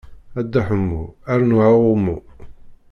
A Dda Ḥemmu rnu aɣummu.